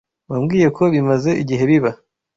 Wambwiye ko bimaze igihe biba.